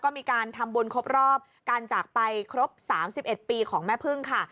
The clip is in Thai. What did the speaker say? ก็มีการทำบุญครบรอบการจากไปครบ๓๑ปีของแม่พึ่งค่ะ